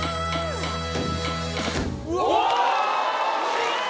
すげえ！